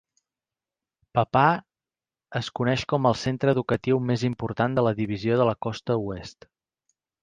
Papar es coneix com el centre educatiu més important de la Divisió de la costa oest.